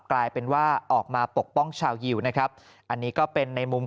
กลายเป็นว่าออกมาปกป้องชาวยิวนะครับอันนี้ก็เป็นในมุม